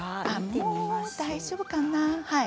もう大丈夫かな。